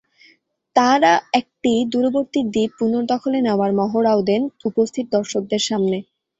তাঁরা একটি দূরবর্তী দ্বীপ পুনর্দখলে নেওয়ার মহড়াও দেন উপস্থিত দর্শকদের সামনে।